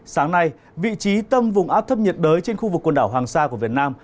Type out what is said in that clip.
sáng nay vị trí tâm vùng áp thấp nhiệt đới trên khu vực quần đảo hoàng sa của việt nam